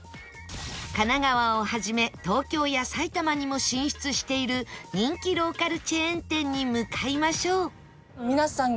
神奈川を始め東京や埼玉にも進出している人気ローカルチェーン店に向かいましょう